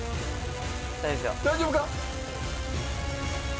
大丈夫か？